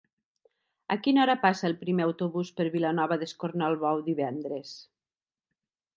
A quina hora passa el primer autobús per Vilanova d'Escornalbou divendres?